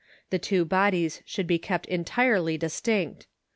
The two bodies should be kept entirely distinct.